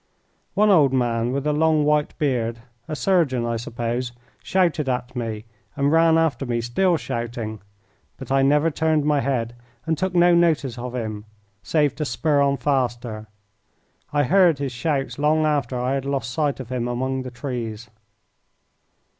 One old man with a long white beard, a surgeon, I suppose, shouted at me, and ran after me still shouting, but I never turned my head and took no notice of him save to spur on faster. I heard his shouts long after I had lost sight of him among the trees.